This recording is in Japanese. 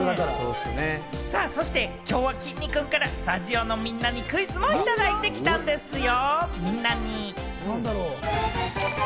そしてきょうはきんに君からスタジオのみんなにクイズもいただいてきたんですよ。